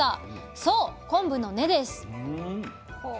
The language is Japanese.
そう昆布の根です。